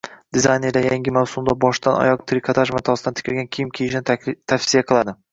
Dizaynerlar yangi mavsumda boshdan oyoq trikotaj matosidan tikilgan kiyim kiyishni tavsiya qiladi